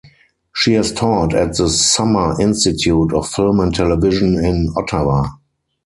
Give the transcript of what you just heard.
She has taught at the Summer Institute of Film and Television in Ottawa.